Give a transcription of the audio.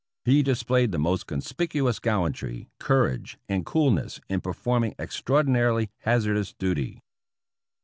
He displayed the most conspicuous gallantry, courage and coolness, in performing extraordinarily hazardous duty.